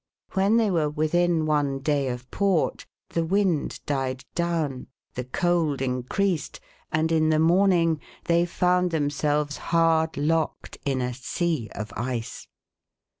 When they were within one day of port, the wind died down, the cold increased, and in the morning they found themselves hard locked in a sea of ice.